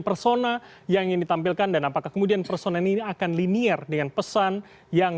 persona yang ditampilkan dan apakah kemudian persona ini akan linier dengan pesan yang